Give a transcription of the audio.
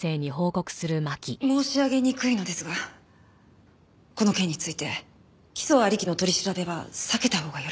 申し上げにくいのですがこの件について起訴ありきの取り調べは避けたほうがよろしいかと。